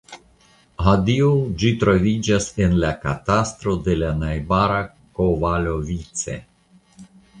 Hodiaŭ ĝi troviĝas en la katastro de la najbara Kovalovice.